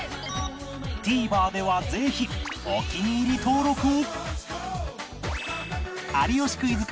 ＴＶｅｒ ではぜひお気に入り登録を！